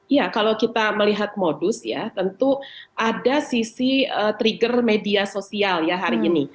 ya kalau kita melihat modus ya tentu ada sisi trigger media sosial ya hari ini